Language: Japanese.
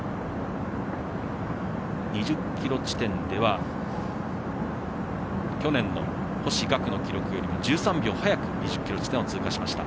２０ｋｍ地点では去年の星岳の記録よりも１３秒早く２０ｋｍ地点を通過しました。